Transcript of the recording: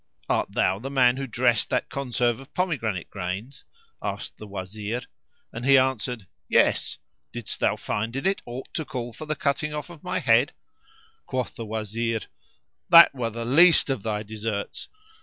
"Art thou the man who dressed that conserve of pomegranate grains?"; asked the Wazir, and he answered "Yes! didst thou find in it aught to call for the cutting off of my head?" Quoth the Wazir, "That were the least of thy deserts!"